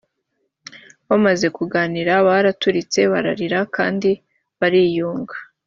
bamaze kuganira baraturitse bararira kandi bariyunga